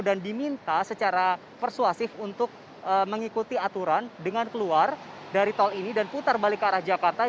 dan diminta secara persuasif untuk mengikuti aturan dengan keluar dari tol ini dan putar balik ke arah jakarta